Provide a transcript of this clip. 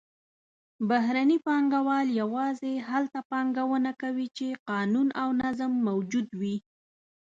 بهرني پانګهوال یوازې هلته پانګونه کوي چې قانون او نظم موجود وي.